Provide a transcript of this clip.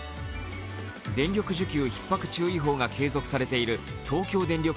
電力需給ひっ迫注意報が継続されている東京電力